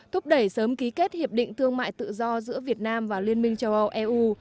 thúc đẩy sớm ký kết hiệp định thương mại tự do giữa việt nam và liên minh châu âu eu